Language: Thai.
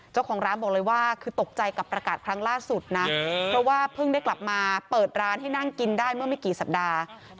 เจ้าของร้านบอกเลยว่าคือตกใจกับประกาศครั้งล่าสุดนะเพราะว่าเพิ่งได้กลับมาเปิดร้านให้นั่งกินได้เมื่อไม่กี่สัปดาห์